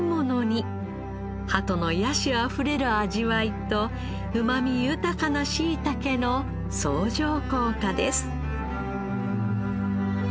ハトの野趣あふれる味わいとうまみ豊かなしいたけの相乗効果です。